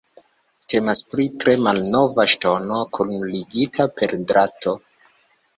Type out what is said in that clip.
Temas pri tre malnova ŝtono kunligita per drato.